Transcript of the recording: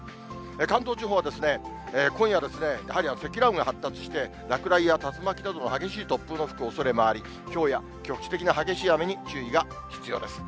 関東地方は、今夜ですね、やはり積乱雲が発達して、落雷や竜巻などの激しい突風の吹くおそれもあり、ひょうや局地的な激しい雨に注意が必要です。